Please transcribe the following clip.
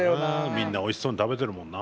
みんなおいしそうに食べてるもんな。